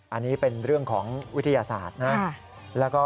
อันนี้เป็นเรื่องของวิทยาศาสตร์นะ